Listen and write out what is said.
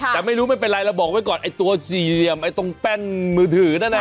แต่ไม่รู้ไม่เป็นไรเราบอกไว้ก่อนไอ้ตัวสี่เหลี่ยมไอ้ตรงแป้นมือถือนั่นน่ะ